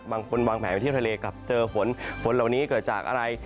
วางแผนไปเที่ยวทะเลกลับเจอฝนฝนเหล่านี้เกิดจากอะไร